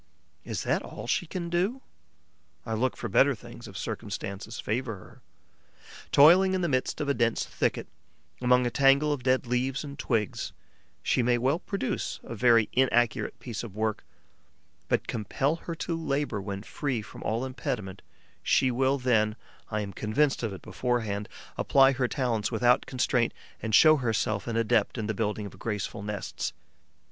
Is that all she can do? I look for better things if circumstances favour her. Toiling in the midst of a dense thicket, among a tangle of dead leaves and twigs, she may well produce a very inaccurate piece of work; but compel her to labour when free from all impediment: she will then I am convinced of it beforehand apply her talents without constraint and show herself an adept in the building of graceful nests.